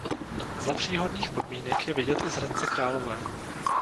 Za příhodných podmínek je vidět i z Hradce Králové.